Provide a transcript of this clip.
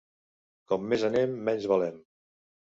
Com més anem menys valem.